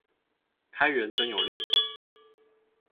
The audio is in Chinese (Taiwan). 開源真有力